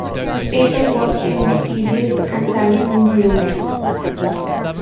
Paperwork can be tedious and time-consuming.